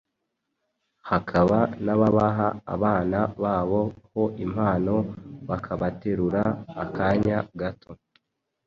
hakaba n’ababaha abana babo ho impano bakabaterura akanya gato.